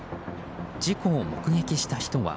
事故を目撃した人は。